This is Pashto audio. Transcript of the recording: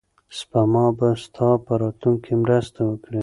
سپما به ستا په راتلونکي کې مرسته وکړي.